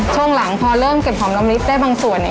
ช่วงหลังพอเริ่มเก็บหอมลำลิสได้บางส่วน